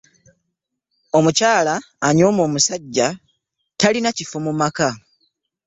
Omukyala anyooma omusajja talina kifo mu maka!